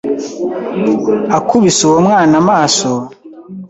Akubise uwo mwana amaso